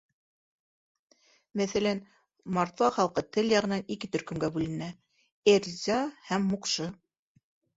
Мәҫәлән, мордва халҡы тел яғынан ике төркөмгә бүленә: эрзя һәм муҡшы.